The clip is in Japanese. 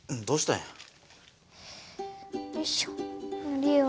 どうしたの？